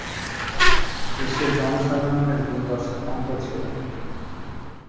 দেশের জনসাধারণের দুর্দশার অন্ত ছিল না।